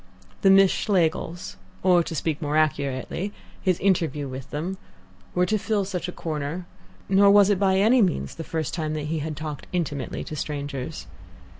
The Miss Schlegels or, to speak more accurately, his interview with them were to fill such a corner, nor was it by any means the first time that he had talked intimately to strangers.